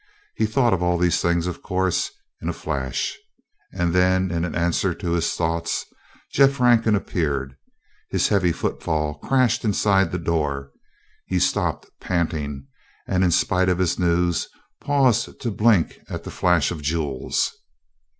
He thought of all these things, of course, in a flash. And then in answer to his thoughts Jeff Rankin appeared. His heavy footfall crashed inside the door. He stopped, panting, and, in spite of his news, paused to blink at the flash of jewels.